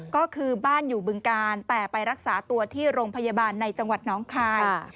ก็คือบ้านอยู่บึงกาลแต่ไปรักษาตัวที่โรงพยาบาลในจังหวัดน้องคาย